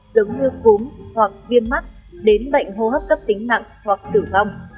giống như cúm hoặc viêm mắt đến bệnh hô hấp cấp tính nặng hoặc tử vong